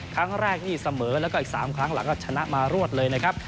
ครั้งแรกนี่เสมอแล้วก็อีก๓ครั้งหลังก็ชนะมารวดเลยนะครับ